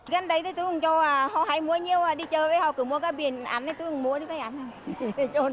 gần đây thì tôi cũng cho họ hay mua nhiều đi chơi với họ cứ mua cá biển ăn thì tôi cũng mua cho họ ăn